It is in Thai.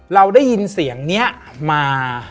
เราได้ยินเสียงนี้มา